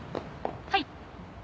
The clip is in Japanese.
はい。